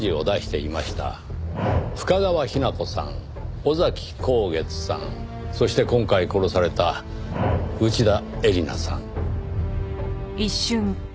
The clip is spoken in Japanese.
尾崎孝月さんそして今回殺された内田絵里奈さん。